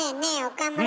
岡村。